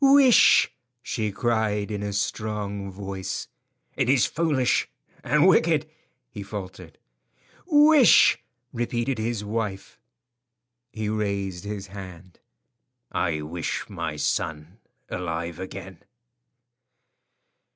"Wish!" she cried, in a strong voice. "It is foolish and wicked," he faltered. "Wish!" repeated his wife. He raised his hand. "I wish my son alive again."